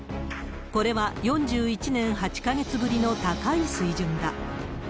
これは４１年８か月ぶりの高い水準だ。